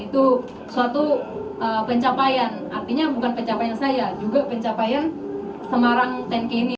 itu suatu pencapaian artinya bukan pencapaian saya juga pencapaian semarang sepuluh k ini